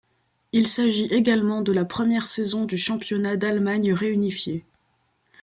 Il s'agit également de la première saison du championnat d'Allemagne réunifiée.